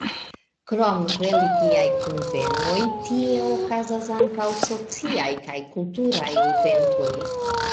Krom religiaj kunvenoj, tie okazas ankaŭ sociaj kaj kulturaj eventoj.